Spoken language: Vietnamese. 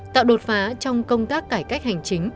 tạo đột phá trong công tác cải cách hành chính